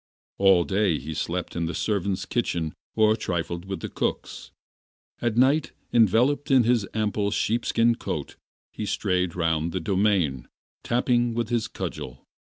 All day he slept in the servants' kitchen or trifled with the cooks. At night, enveloped in an ample sheep skin coat, he strayed round the domain tapping with his cudgel.